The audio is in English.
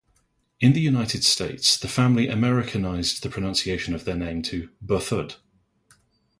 In the United States, the family Americanized the pronunciation of their name to "ber-thud".